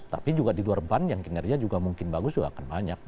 tapi juga di luar ban yang kinerja juga mungkin bagus juga akan banyak